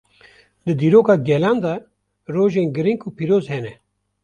Di dîroka gelan de rojên girîng û pîroz hene.